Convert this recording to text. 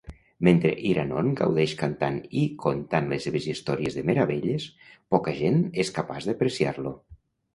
Mentre Iranon gaudeix cantant i contant les seves històries de meravelles, poca gent és capaç d'apreciar-lo.